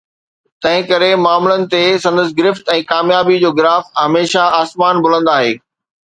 تنهن ڪري، معاملن تي سندن گرفت ۽ ڪاميابي جو گراف هميشه آسمان بلند آهي